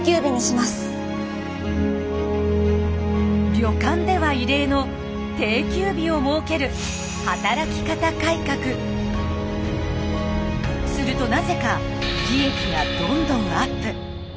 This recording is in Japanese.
旅館では異例の「定休日」を設けるするとなぜか利益がどんどんアップ。